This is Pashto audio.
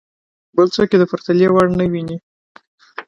بل څوک یې د پرتلې وړ نه ویني.